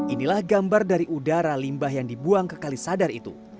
inilah gambar dari udara limbah yang dibuang ke kalisadar itu